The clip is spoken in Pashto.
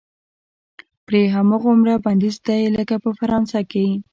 پرې هماغومره بندیز دی لکه په فرانسه کې.